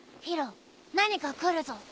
宙何か来るぞ。